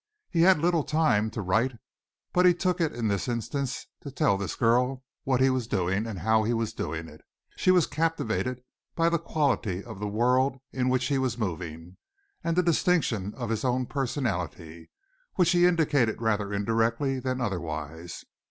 He had little time to write, but he took it in this instance to tell this girl what he was doing and how he was doing it. She was captivated by the quality of the world in which he was moving, and the distinction of his own personality, which he indicated rather indirectly than otherwise.